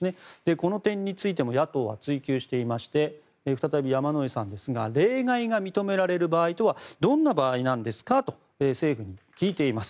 この点について野党は追及していまして再び山井さんですが例外が認められる場合とはどんな場合なんですかと政府に聞いています。